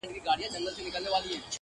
زما دې ژوند د ارواحونو په زنځير وتړئ،